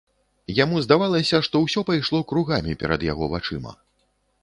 Яму здавалася, што ўсё пайшло кругамі перад яго вачыма.